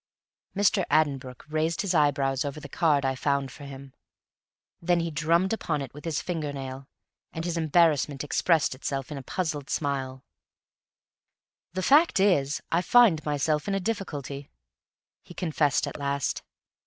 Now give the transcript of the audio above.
Mr. Addenbrooke raised his eyebrows over the card I found for him; then he drummed upon it with his finger nail, and his embarrassment expressed itself in a puzzled smile. "The fact is, I find myself in a difficulty," he confessed at last.